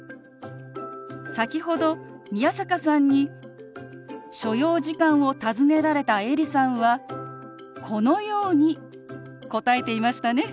先ほど宮坂さんに所要時間を尋ねられたエリさんはこのように答えていましたね。